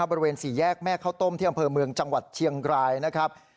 บริเวณสี่แยกแม่ข้าวต้มที่อำเภอเมืองจังหวัดเชียงรายนะครับ